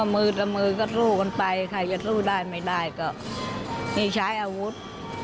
มือละมือก็สู้กันไปใครจะสู้ได้ไม่ได้ก็นี่ใช้อาวุธ